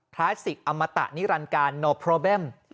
ปลาสิกอัมมตะนิรันด์กาลโน่โปรเบ็ม